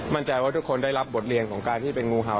มั่นใจว่าทุกคนได้รับบทเรียนของการที่เป็นงูเห่า